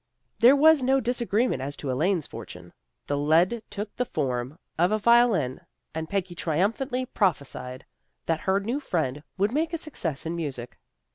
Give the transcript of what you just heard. There was no disagreement as to Elaine's fortune. The lead took the form of a violin, and Peggy triumphantly prophesied that her new friend would make a success in music.